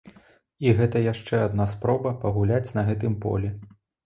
І гэта яшчэ адна спроба пагуляць на гэтым полі.